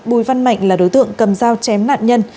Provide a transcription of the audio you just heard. bùi văn mạnh là đối tượng cầm dao chém nạn nhân